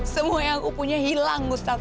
semua yang aku punya hilang ustadz